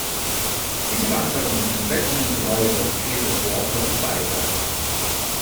Diese Veranstaltung ist ein Wettrennen für Läufer, Skater, Walker und Biker.